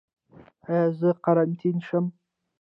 ایا زه قرنطین شم؟